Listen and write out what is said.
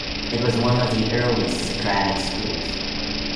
It was one of the earliest Socratic schools.